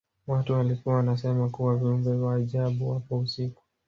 Watu walikuwa wanasema kuwa viumbe wa ajabu wapo usiku